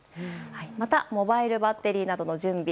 また、モバイルバッテリーなどの準備。